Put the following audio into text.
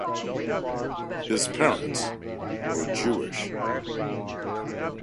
His parents were Jewish.